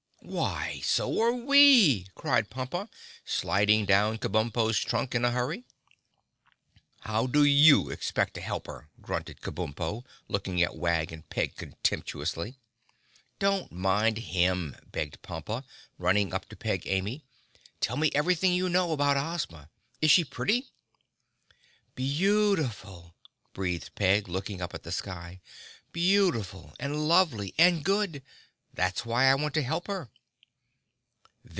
"Why so are we!" cried Pompa, sliding down Kabumpo's trunk in a hurry. "How do you expect to help her?" grunted Kabumpo, looking at Wag and Peg contemptuously. "Don't mind him," begged Pompa, running up to Peg Amy. "Tell me everything you know about Ozma. Is she pretty?" "Beautiful," breathed Peg, looking up at the sky. "Beautiful and lovely and good. That's why I want to help her."